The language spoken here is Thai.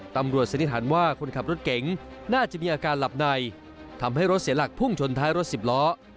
สันนิษฐานว่าคนขับรถเก๋งน่าจะมีอาการหลับในทำให้รถเสียหลักพุ่งชนท้ายรถสิบล้อ